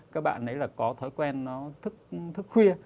các bạn ấy là có thói quen nó thức khuya